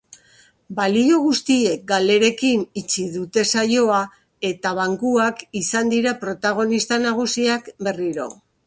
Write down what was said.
Balio guztiek galerekin itxi dute saioa eta bankuak izan dira protagonista nagusiak berriro.